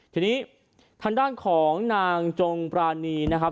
ทีนี้ทางด้านของนางจงปรานีนะครับ